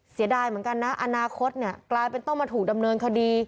เสียดายเหมือนกันนะอนาคตเนี่ยกลายเป็นต้องมาถูกดำเนินคดี